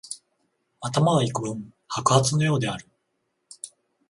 頭はいくぶん白髪のようである